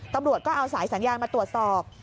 ตำรวจก็เอาสายสัญญาณมาตรวจสอบ